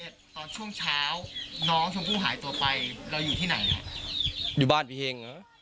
ตอนช่วงเช้าน้องชมพู่หายตัวไปเราอยู่ที่ไหนฮะอยู่บ้านพี่เห็งเหรอ